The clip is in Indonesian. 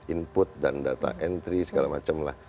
input dan data entry segala macam lah